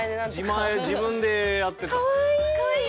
自前自分でやってたから。